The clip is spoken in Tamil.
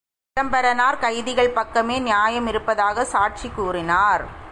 சிதம்பரனார் கைதிகள் பக்கமே நியாயம் இருப்பதாக சாட்சி கூறினார்.